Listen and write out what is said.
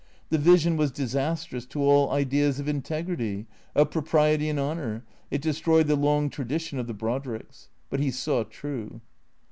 The vision was disastrous to all ideas of integrity, of propriety and honour; it destroyed the long tradition of the Brodricks. But he saw true.